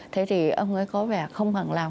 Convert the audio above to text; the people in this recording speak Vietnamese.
thế thì ông ấy có vẻ không hằng làm